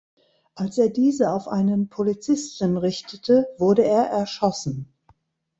Als er diese auf einen Polizisten richtete, wurde er erschossen.